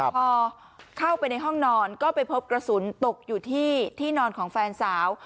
พอเข้าไปในห้องนอนก็ไปพบกระสุนตกอยู่ที่ที่นอนของแฟนสาว